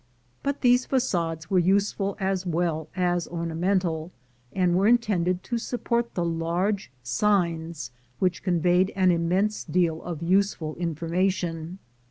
But these fagades were useful as well as ornamental, and were intended to support the large signs, which con veyed an immense deal of useful information.